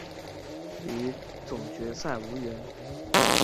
与总决赛无缘。